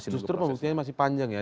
justru pembuktiannya masih panjang ya